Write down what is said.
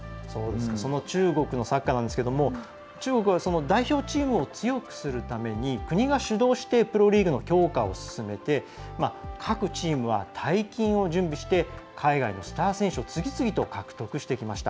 そんな中国のサッカーなんですが中国は代表チームを強くするために国が主導してプロリーグの強化を進めて各チームは大金を準備して各国のスター選手を次々と獲得してきました。